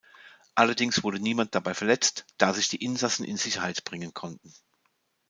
Allerdings wurde niemand dabei verletzt, da sich die Insassen in Sicherheit bringen konnten.